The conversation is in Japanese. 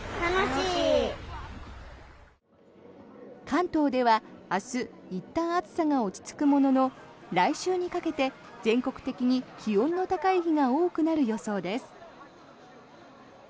関東では明日いったん暑さが落ち着くものの来週にかけて全国的に気温の高い日が多くなる予想です。